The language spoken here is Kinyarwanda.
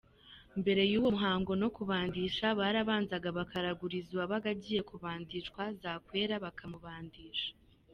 Mbere y’uwo muhango no kubandisha barabanzaga bakaraguriza uwabaga agiye kubandishwa, zakwera bakamubandisha.